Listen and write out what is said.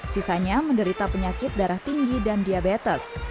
sisanya menderita penyakit darah tinggi dan diabetes